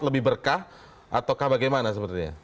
lebih berkah ataukah bagaimana sebetulnya